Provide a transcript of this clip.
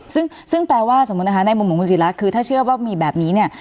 ซึ่งแปลว่าสมมุตินะคะในมุมของคุณศิระคือถ้าเชื่อว่ามีแบบนี้เนี่ย